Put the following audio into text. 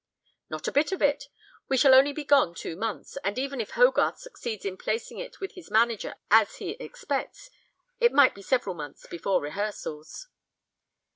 "Not a bit of it. We shall only be gone two months, and even if Hogarth succeeds in placing it with his manager as he expects, it might be several months before rehearsals."